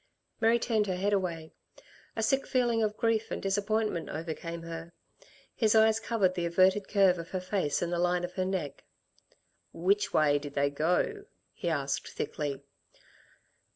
Mary turned her head away. A sick feeling of grief and disappointment overcame her. His eyes covered the averted curve of her face and the line of her neck. "Which way did they go?" he asked, thickly.